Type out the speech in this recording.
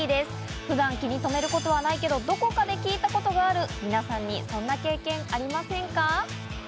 普段、気に留めることはないけど、どこかで聞いたことがある、皆さん、そんな経験はありませんか？